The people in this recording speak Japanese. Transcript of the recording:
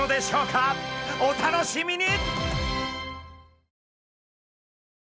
お楽しみに！